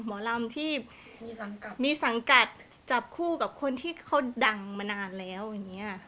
หมอลำที่มีสังกัดจับคู่กับคนที่เขาดังมานานแล้วอย่างนี้